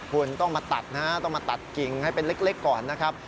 คุณต้องมาตัดนะฮะต้องมาตัดกิ่งให้เป็นเล็กก่อนนะครับ